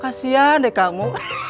kasian deh kamu